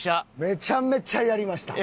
めちゃめちゃやりました。